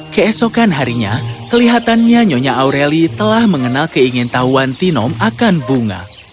keesokan harinya kelihatannya nyonya aureli telah mengenal keingin tahuan tinom akan bunga